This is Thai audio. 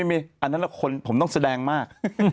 ไม่อันนั้นแหละคนที่ผมต้องแสดงมาก